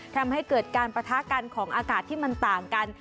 ทำให้เกิดการปะทะกันของอากาศที่มันต่างกัน